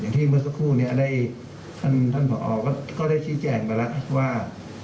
ที่เมื่อสักครู่นี้ได้ท่านผอก็ได้ชี้แจงไปแล้วว่า